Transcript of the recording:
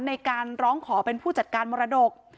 ในการร้องขอเป็นผู้จัดการมรดก